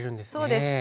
そうです。